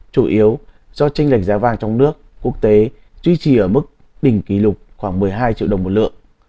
chủ yếu do tranh lệch giá vàng trong nước quốc tế duy trì ở mức đỉnh kỷ lục khoảng một mươi hai triệu đồng một lượng